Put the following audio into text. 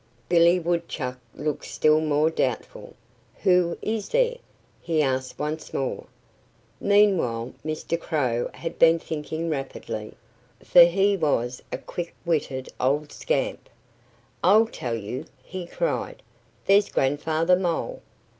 Billy Woodchuck looked still more doubtful. "Who is there?" he asked once more. Meanwhile Mr. Crow had been thinking rapidly for he was a quick witted old scamp. "I'll tell you!" he cried. "There's Grandfather Mole!"